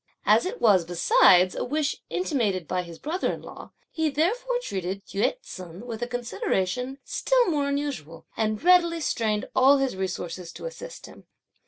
As it was besides a wish intimated by his brother in law, he therefore treated Yü ts'un with a consideration still more unusual, and readily strained all his resources to assist him.